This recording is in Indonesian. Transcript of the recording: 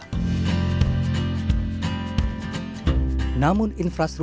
inilah guyschif lobja